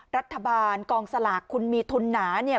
รัฐบาลกองสลากคุณมีทุนหนาเนี่ย